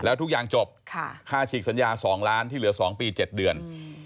แล้วทุกอย่างจบค่าฉีกสัญญา๒ล้านที่เหลือ๒ปี๗เดือน